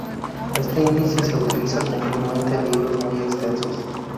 Este índice se utiliza comúnmente en libros muy extensos.